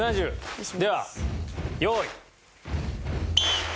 では用意。